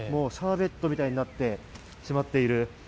シャーベットみたいになってしまっている。